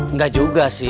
nggak juga sih